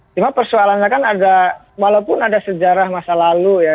cuma persoalannya kan agak walaupun ada sejarah masa lalu ya